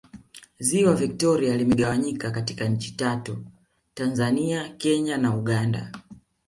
ziwa victoria limegawanyika katika nchi tatu tanzania kenya na uganda